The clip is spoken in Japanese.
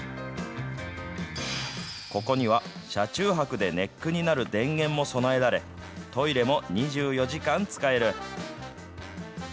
ここには車中泊でネックになる電源も備えられ、トイレも２４時間使える。